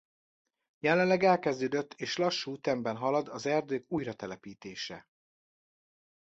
Jelenleg elkezdődött és lassú ütemben halad az erdők újratelepítése.